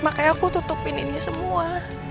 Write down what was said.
makanya aku tutupin ini semua